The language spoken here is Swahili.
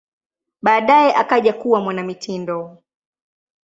Baadaye akaja kuwa mwanamitindo.